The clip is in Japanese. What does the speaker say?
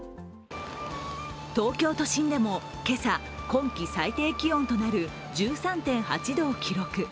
東京都心でも今朝、今季最低気温となる１３．８度を記録。